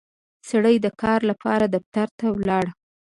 سړی د کار لپاره دفتر ته ولاړ